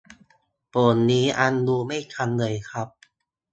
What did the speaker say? ผมนี้อันดูไม่ทันเลยครับ